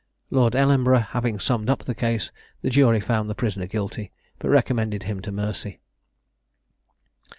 Lord Ellenborough having summed up the case, the jury found the prisoner guilty, but recommended him to mercy.